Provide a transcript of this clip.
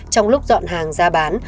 trong lúc dọn hàng ra bán